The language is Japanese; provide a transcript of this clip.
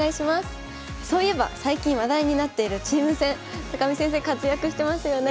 そういえば最近話題になっているチーム戦見先生活躍してますよね。